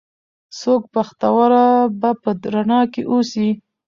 څوک بختوره به په رڼا کې اوسي